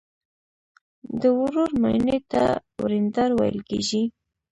د ورور ماینې ته وریندار ویل کیږي.